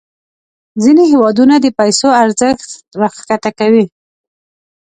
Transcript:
ځینې هیوادونه د پیسو ارزښت راښکته کوي.